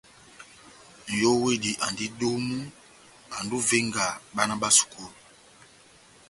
Nʼyówedi andi domu, andi ó ivenga bána bá sukulu.